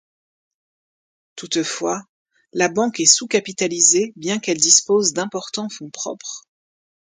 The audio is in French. Toutefois, la banque est sous-capitalisée bien qu'elle dispose d'importants fonds propres.